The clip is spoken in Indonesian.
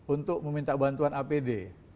untuk meminta bantuan apd